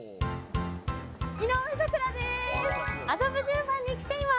井上咲楽です。